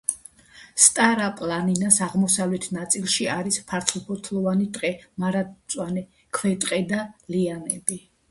სტარა-პლანინას აღმოსავლეთ ნაწილში არის ფართოფოთლოვანი ტყე, მარადმწვანე ქვეტყე და ლიანები.